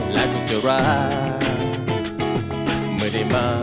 และคุณจะรักเมื่อได้มา